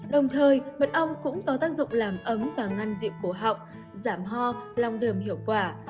đồng thời mật ong cũng có tác dụng làm ấm và ngăn rượu cổ họng giảm ho lòng đờm hiệu quả